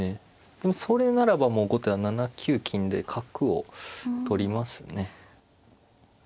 それならばもう後手は７九金で角を取りますね。